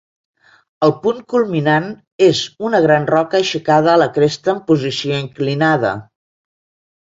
El punt culminant és una gran roca aixecada a la cresta amb posició inclinada.